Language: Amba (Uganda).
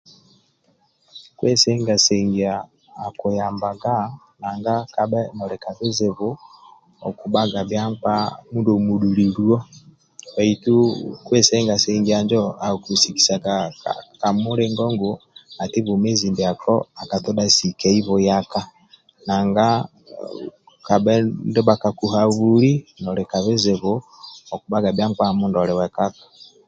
Kusenga sengia akuyambaga nanga kabhe noli ka bizinu okubhaga bhia mindia omudhililio baitu kusenga sengia injo akukusikisiaga ka ka mulingo ngu ati bwomezi ndiako akatodha sikiai buhyaka nanga kabhe ndia bhakakuhabuli okubhaga bhia nkpa mindia oli wekaka